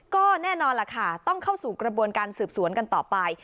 ก็แน่นอนล่ะค่ะต้องเข้าสู่กระบวนการสืบสวนกันต่อไป